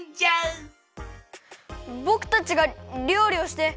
ぼくたちがりょうりをして。